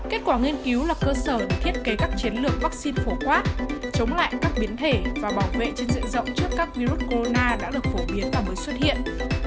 kết quả nghiên cứu là cơ sở để thiết kế các chiến lược vaccine phổ quát chống lại các biến thể và bảo vệ trên diện rộng trước các virus corona đã được phổ biến và mới xuất hiện